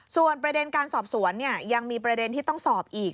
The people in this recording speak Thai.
ส่วนประเด็นการสอบสวนยังมีประเด็นที่ต้องสอบอีก